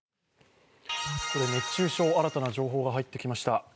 熱中症、新たな情報が入ってきました。